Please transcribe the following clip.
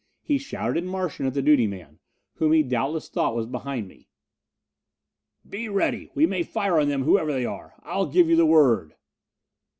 He shouted in Martian at the duty man, whom he doubtless thought was behind me: "Be ready! We may fire on them, whoever they are. I'll give you the word."